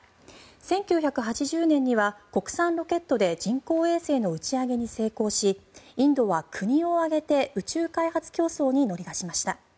１９８０年には国産ロケットで人工衛星の打ち上げに成功しインドは国を挙げて宇宙開発競争に乗り出しました。